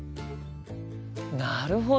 なるほど！